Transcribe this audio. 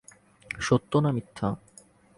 সত্য না মিথ্যা?